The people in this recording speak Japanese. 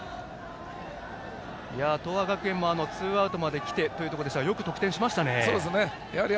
東亜学園もツーアウトまできてというところでしたがよく得点しましたね。